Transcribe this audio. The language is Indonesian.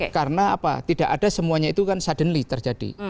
karena apa tidak ada semuanya itu kan suddenly terjadi